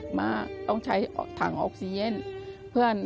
ทำงานชื่อนางหยาดฝนภูมิสุขอายุ๕๔ปี